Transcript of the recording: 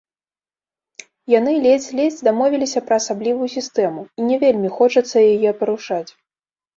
Яны ледзь-ледзь дамовіліся пра асаблівую сістэму, і не вельмі хочацца яе парушаць.